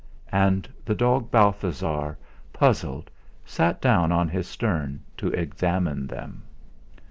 And the dog Balthasar, puzzled, sat down on his stern to examine them.